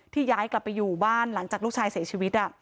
ย้ายกลับไปอยู่บ้านหลังจากลูกชายเสียชีวิต